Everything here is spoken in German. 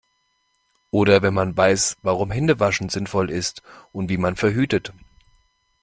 Oder wenn man weiß, warum Hände waschen sinnvoll ist und wie man verhütet.